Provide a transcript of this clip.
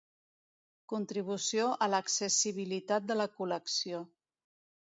Contribució a l'accessibilitat de la col·lecció.